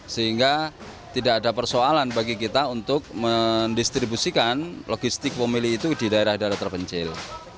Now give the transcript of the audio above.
sehingga tidak ada persoalan bagi kita untuk mendistribusikan logistik pemilih itu di daerah daerah terpencil